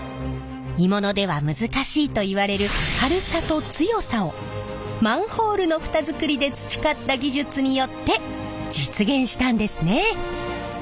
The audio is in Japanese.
鋳物では難しいといわれる軽さと強さをマンホールの蓋作りで培った技術によって実現したんですね。